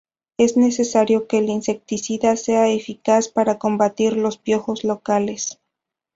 Es necesario que el insecticida sea eficaz para combatir los piojos locales.